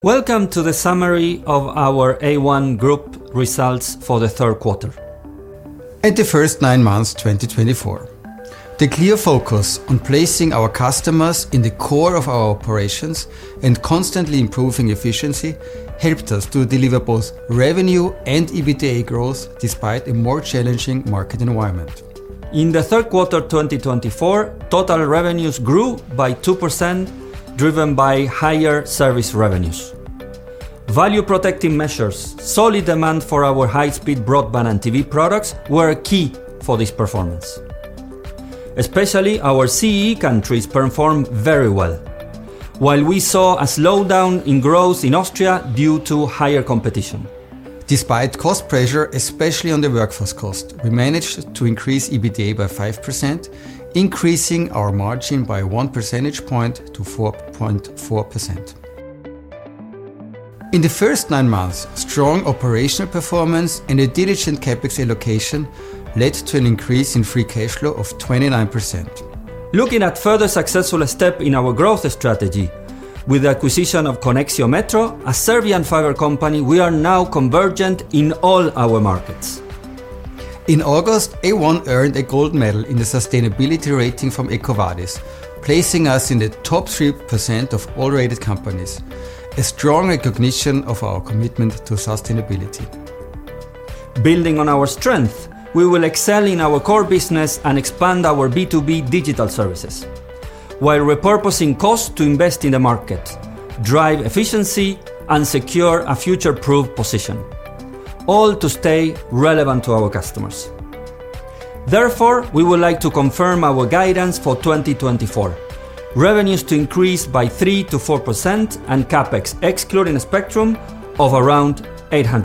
...Welcome to the summary of our A1 Group results for the third quarter. The first 9 months, 2024. The clear focus on placing our customers in the core of our operations and constantly improving efficiency helped us to deliver both revenue and EBITDA growth, despite a more challenging market environment. In the third quarter 2024, total revenues grew by 2%, driven by higher service revenues. Value-protecting measures, solid demand for our high-speed broadband and TV products were key for this performance. Especially our CEE countries performed very well, while we saw a slowdown in growth in Austria due to higher competition. Despite cost pressure, especially on the workforce cost, we managed to increase EBITDA by 5%, increasing our margin by one percentage point to 4.4%. In the first 9 months, strong operational performance and a diligent capital allocation led to an increase in free cash flow of 29%. Looking at further successful step in our growth strategy with the acquisition of Conexio Metro, a Serbian fiber company, we are now convergent in all our markets. In August, A1 earned a gold medal in the sustainability rating from EcoVadis, placing us in the top 3% of all rated companies. A strong recognition of our commitment to sustainability. Building on our strength, we will excel in our core business and expand our B2B digital services, while repurposing costs to invest in the market, drive efficiency, and secure a future-proof position, all to stay relevant to our customers. Therefore, we would like to confirm our guidance for 2024. Revenues to increase by 3%-4%, and CapEx excluding spectrum of around 800-